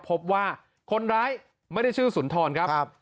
พบว่าคนร้ายไม่ได้ชื่อสุนทรครับ